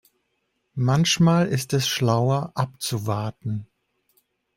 Manchmal ist es schlauer abzuwarten.